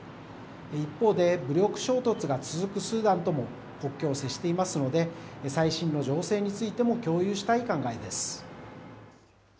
一方で武力衝突が続くスーダンとも国境を接していますので、最新の情勢についても共有したい考えです。